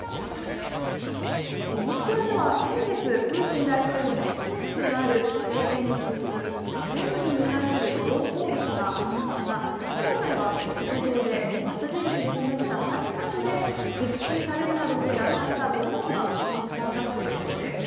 モスクワでは先月、プーチン大統領の執務室がある政権の中枢・クレムリンに対するドローン攻撃がありましたが今回は地図上で×印で示した８か所で撃墜されるなどして落下したドローンが発見されたということです。